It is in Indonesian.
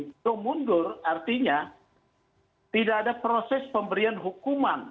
untuk mundur artinya tidak ada proses pemberian hukuman